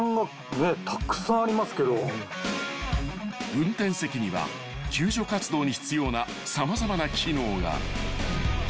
［運転席には救助活動に必要な様々な機能が］